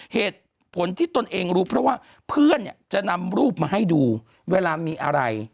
เหตุผลที่ตนเองรู้เพราะว่าเพื่อนเนี่ยจะนำรูปมาให้ดูเวลามีอะไร